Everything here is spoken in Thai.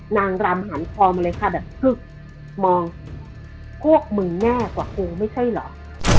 นางรำหันคอมาเลยค่ะแบบฮึกมองพวกมึงแน่กว่ากูไม่ใช่เหรอ